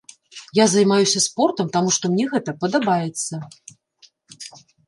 Я займаюся спортам, таму што мне гэта падабаецца.